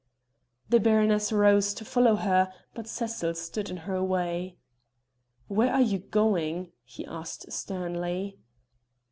The baroness rose to follow her, but Cecil stood in her way. "Where are you going?" he asked sternly.